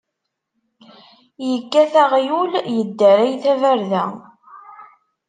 Yekkat aɣyul, yeddaray taberda.